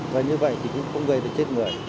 và như vậy thì cũng không gây được chết người